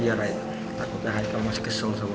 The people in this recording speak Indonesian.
raya lo takutnya raika masih kesel sama lo